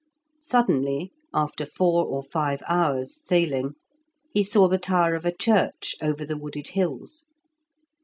Suddenly, after four or five hours, sailing, he saw the tower of a church over the wooded hills.